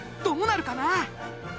どうなるかな？